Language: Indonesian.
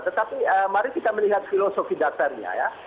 tetapi mari kita melihat filosofi dasarnya ya